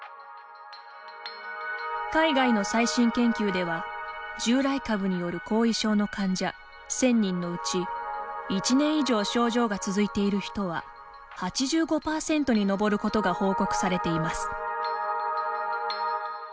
海外の最新研究では従来株による後遺症の患者１０００人のうち１年以上、症状が続いている人は８５％に上ることが報告されています。